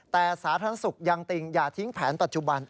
แต่สาธารณสุขยังติ่งอย่าทิ้งแผนปัจจุบัน